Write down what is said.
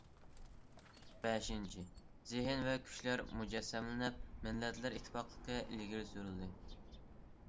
بەشىنچى، زېھىن ۋە كۈچلەر مۇجەسسەملىنىپ، مىللەتلەر ئىتتىپاقلىقى ئىلگىرى سۈرۈلدى.